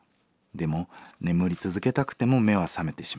でも眠り続けたくても目は覚めてしまう。